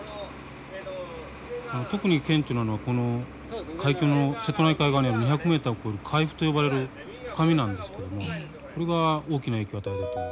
特に顕著なのはこの海峡の瀬戸内海側にある２００ｍを超える海釜と呼ばれる深みなんですけどもこれが大きな影響を与えるんですね。